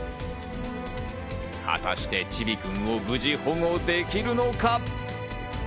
果たして、ちびくんを無事保護できるのか？